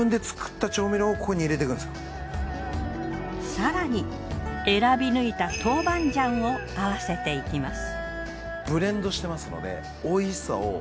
更に選び抜いた豆板醤を合わせていきます。